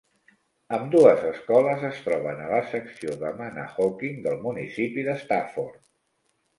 Ambdues escoles es troben a la secció de Manahawkin del municipi de Stafford.